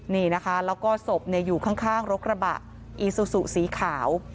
นี่นะคะแล้วก็ศพอยู่ข้างรถกระบะอีซูซูสีขาว